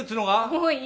もういい。